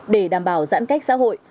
để đảm bảo giãn cách xã hội